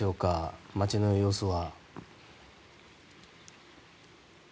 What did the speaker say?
街の様子は。